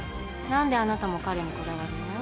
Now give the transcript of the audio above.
なんであなたも彼にこだわるの？